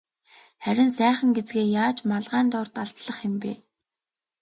Харин сайхан гэзгээ яаж малгайн дор далдлах юм бэ?